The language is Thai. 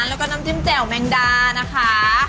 แล้วก็น้ำจิ้มแจ่วแมงดานะคะ